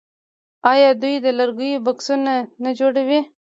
آیا دوی د لرګیو بکسونه نه جوړوي؟